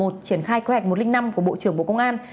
triển khai kế hoạch một trăm linh năm của bộ trưởng bộ công an